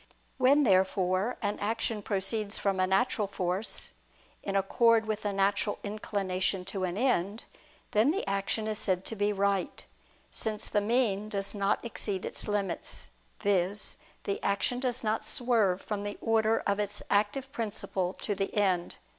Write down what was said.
When therefore an action proceeds from a natural force, in accord with the natural inclination to an end, then the action is said to be right: since the mean does not exceed its limits, viz. the action does not swerve from the order of its active principle to the end.